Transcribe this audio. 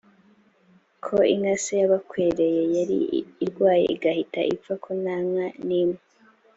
ko inka se yabakwereye yari irwaye igahita ipfa ko nta nka n imwe